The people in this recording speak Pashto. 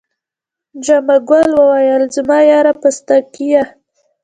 جمعه ګل وویل زما یاره پستکیه.